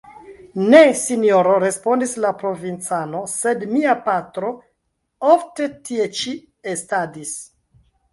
Ne, Sinjoro, respondis la provincano, sed mia patro ofte tie ĉi estadis.